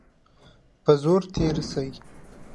په زور تېر سي.